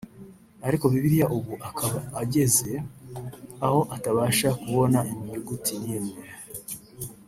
ariko Bibiriya ubu akaba ageze aho atabasha kubona inyuguti n’imwe